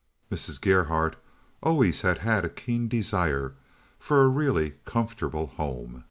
Mrs. Gerhardt always had had a keen desire for a really comfortable home.